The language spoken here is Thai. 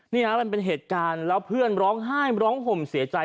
มันเป็นเหตุการณ์แล้วเพื่อนร้องไห้ร้องห่มเสียใจ